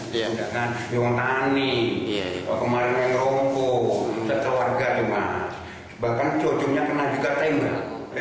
kita keluarga cuma bahkan cucunya kena juga tembak